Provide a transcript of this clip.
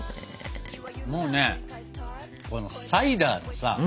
もうねサイダーのさ